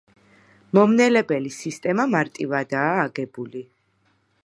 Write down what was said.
მომნელებელი სისტემა მარტივადაა აგებული.